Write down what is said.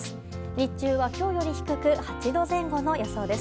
日中は今日より低く８度前後の予想です。